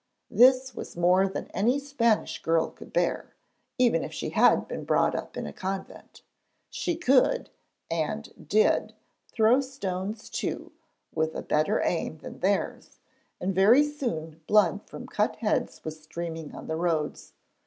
This was more than any Spanish girl could bear, even if she had been brought up in a convent. She could and did throw stones too, with a better aim than theirs, and very soon blood from cut heads was streaming on the roads.